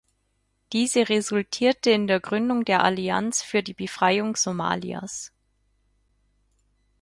Diese resultierte in der Gründung der Allianz für die Befreiung Somalias.